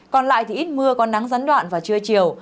còn lại thì ít mưa có nắng gián đoạn vào trưa chiều